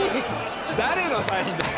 誰のサインだよ。